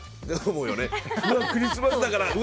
うわ、クリスマスだから。